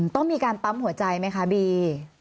ต้องมีการปั๊มหัวใจไหมคะบี